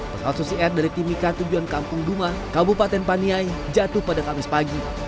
pesawat susi air dari timika tujuan kampung duma kabupaten paniai jatuh pada kamis pagi